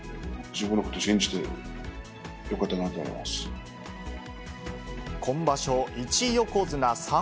自分のこと信じてよかったなと思います。